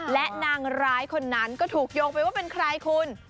และนางร้ายคนนั้นก็ถูกโยงไปว่าเป็นใครคุณ